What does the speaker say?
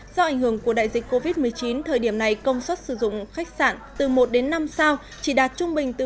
do ảnh hưởng của đại dịch covid một mươi chín thời điểm này công suất sử dụng khách sạn từ một năm sao chỉ đạt trung bình từ một mươi sáu